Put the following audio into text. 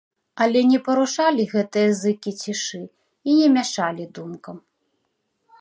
Але не парушалі гэтыя зыкі цішы і не мяшалі думкам.